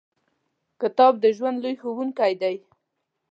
• کتاب د ژوند لوی ښوونکی دی.